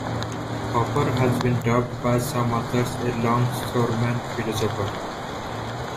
Hoffer has been dubbed by some authors a longshoreman philosopher.